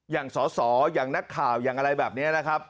อย่างสอสออย่างนักข่าวอย่างอะไรแบบนี้นะครับ